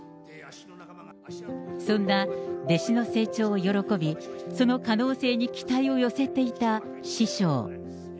そんな弟子の成長を喜び、その可能性に期待を寄せていた師匠。